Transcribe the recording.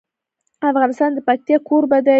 افغانستان د پکتیا کوربه دی.